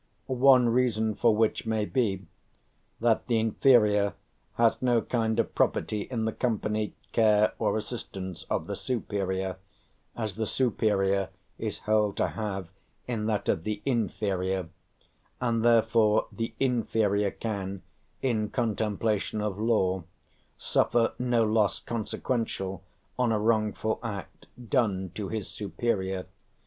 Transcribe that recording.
One reason for which may be, that the inferior has no kind of property in the company, care, or assistance of the superior, as the superior is held to have in that of the inferior; and therefore the inferior can, in contemplation of law, suffer no loss consequential on a wrongful act done to his superior.